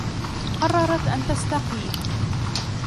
قررت أن تستقيل.